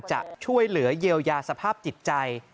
จะช่วยเหลือเยียวยาสภาพจิตใจ